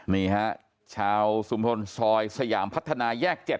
นี่ครับชาวสุมทนซอยสยามพัฒนายแยกเจ็ด